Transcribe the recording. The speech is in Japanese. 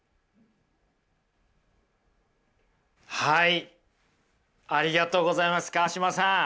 はいありがとうございます川島さん。